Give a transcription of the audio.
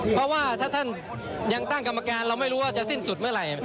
เพราะว่าถ้าท่านยังตั้งกรรมการเราไม่รู้ว่าจะสิ้นสุดเมื่อไหร่